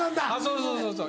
そうそうそうそう。